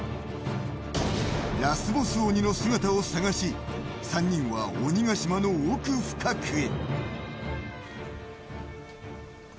ラスボス鬼の姿を探し、３人は鬼ヶ島の奥深くへ。